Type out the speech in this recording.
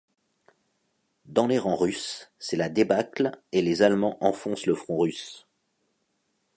Dans les rangs russes, c'est la débâcle et les Allemands enfoncent le front russe.